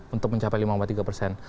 untuk mencapai lima tiga persen